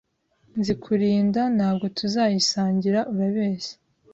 Nzi kurinda, ntabwo tuzayisangira urabeshya